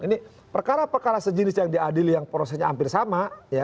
ini perkara perkara sejenis yang diadili yang prosesnya hampir sama